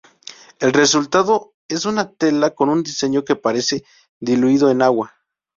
El resultado es una tela con un diseño que parece diluido en agua.